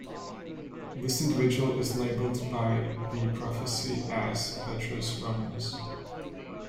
This individual is labelled by the prophecy as Petrus Romanus.